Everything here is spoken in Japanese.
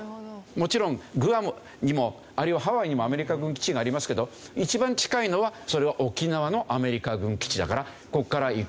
もちろんグアムにもあるいはハワイにもアメリカ軍基地がありますけど一番近いのはそれは沖縄のアメリカ軍基地だからここから行く。